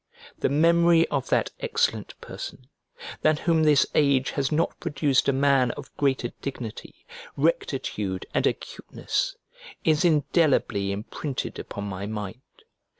The memory of that excellent person, than whom this age has not produced a man of greater dignity, rectitude, and acuteness, is indelibly imprinted upon my mind.